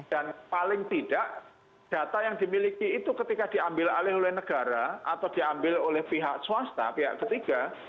dan paling tidak data yang dimiliki itu ketika diambil oleh negara atau diambil oleh pihak swasta pihak ketiga